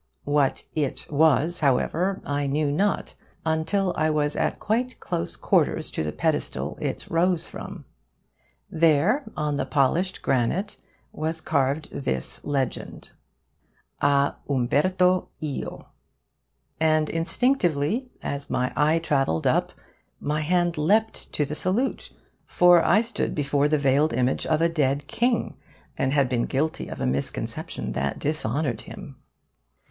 What 'it' was, however, I knew not until I was at quite close quarters to the pedestal it rose from. There, on the polished granite, was carved this legend: A UMBERTO IO And instinctively, as my eye travelled up, my hand leapt to the salute; for I stood before the veiled image of a dead king, and had been guilty of a misconception that dishonoured him.